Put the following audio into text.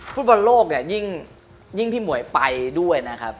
ฟุตบันโลกยิ่งพี่หมวยไปด้วยนะครับ